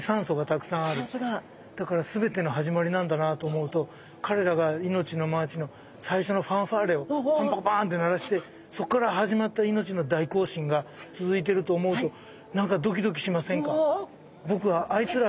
だから全ての始まりなんだなと思うと彼らが命のマーチの最初のファンファーレをパンパカパンって鳴らしてそっから始まった命の大行進が続いてると思うと何かドキドキしませんか？